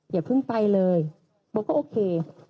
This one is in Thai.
อย่าเพิ่งไปเลยบอกว่าโอเค